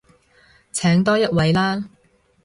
請多一位啦